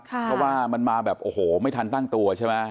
เพราะว่ามันมาแบบโอ้โหไม่ทันตั้งตัวใช่ไหม